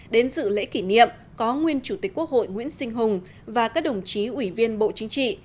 đến dự lễ kỷ niệm có nguyên chủ tịch quốc hội nguyễn sinh hùng và các đồng chí ủy viên bộ chính trị